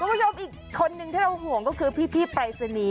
คุณผู้ชมอีกคนนึงที่เราห่วงก็คือพี่ปรายศนีย์